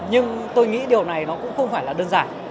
nhưng tôi nghĩ điều này nó cũng không phải là đơn giản